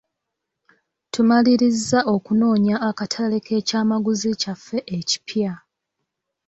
Tumalirizza okunoonya akatale k'ekyamaguzi kyaffe ekipya.